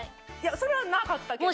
それはなかったけど。